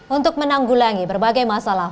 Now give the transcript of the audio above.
untuk menanggulangi berbagai masalah